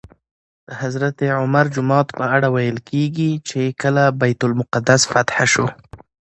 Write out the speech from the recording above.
د حضرت عمر جومات په اړه ویل کېږي چې کله بیت المقدس فتح شو.